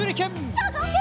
しゃがんで。